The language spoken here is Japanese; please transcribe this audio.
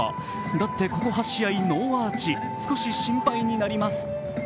だって、ここ８試合ノーアーチ。少し心配になります。